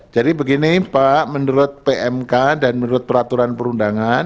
jadi begini pak menurut pmk dan menurut peraturan perundangan